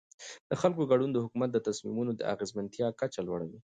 د خلکو ګډون د حکومت د تصمیمونو د اغیزمنتیا کچه لوړوي